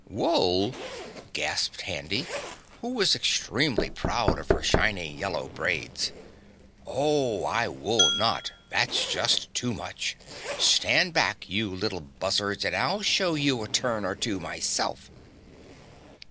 "Wool!" gasped Handy, who was extremely proud of her shining yellow braids. "Oh, I wool not, that's just too much! Stand back you little buzzards and I'll show you a turn or two myself."